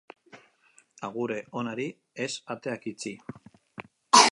Agure onari ez ateak itxi.